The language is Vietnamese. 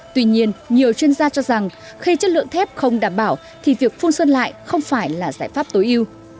tuy nhiên nhiều chuyên gia cho rằng khi chất lượng thép không đảm bảo thì việc phun sơn lại không phải là giải pháp tối ưu